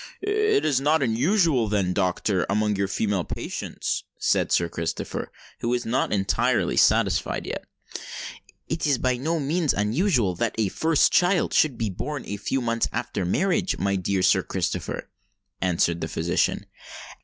"It is not unusual, then, doctor, amongst your female patients?" said Sir Christopher, who was not entirely satisfied yet. "It is by no means unusual that a first child should be born a few months after marriage, my dear Sir Christopher," answered the physician.